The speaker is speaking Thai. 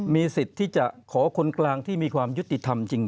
มีสิทธิ์ที่จะขอคนกลางที่มีความยุติธรรมจริง